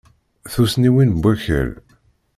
Tussniwin n wakal.